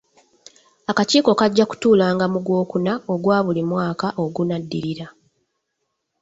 Akakiiko kajja kutuulanga mu Gwokuna ogwa buli mwaka ogunaddirira.